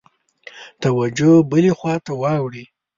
توجه بلي خواته واوړي.